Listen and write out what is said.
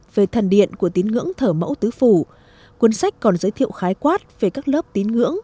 về thần điện của tín ngưỡng thở mẫu tứ phủ cuốn sách còn giới thiệu khái quát về các lớp tín ngưỡng